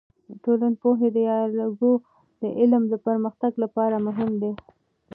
د ټولنپوه ديالوګ د علم د پرمختګ لپاره مهم دی.